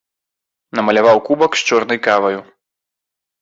Намаляваў кубак з чорнай каваю.